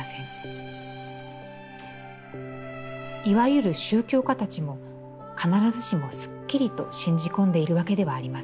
いわゆる宗教家たちも、必ずしもすっきりと信じ込んでいるわけではありません。